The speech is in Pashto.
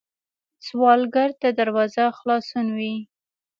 سوالګر ته دروازه خلاصون وي